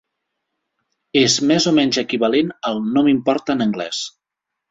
És més o menys equivalent al "no m'importa" en anglès.